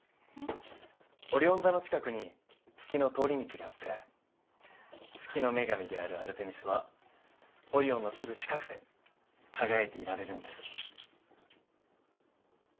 オリオン座の近くに月の通り道があって月の女神であるアルテミスはオリオンのすぐ近くで輝いているんです。